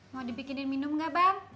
mau dibikinin minum enggak bang